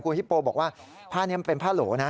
ฮิปโปบอกว่าผ้านี้มันเป็นผ้าโหลนะ